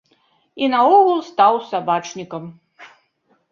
І наогул стаў сабачнікам.